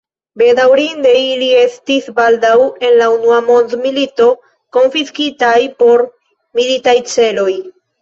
Bedaŭrinde ili estis baldaŭ en la unua mondmilito konfiskitaj por militaj celoj.